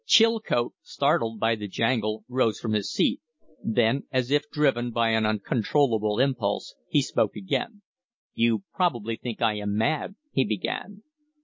Chilcote, startled by the jangle, rose from his seat; then, as if driven by an uncontrollable impulse, he spoke again. "You probably think I am mad " he began.